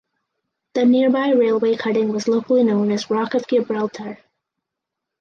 The nearby railway cutting was locally known as Rock of Gibraltar.